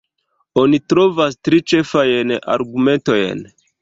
Oni trovas tri ĉefajn argumentojn.